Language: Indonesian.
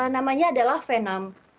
namanya adalah venam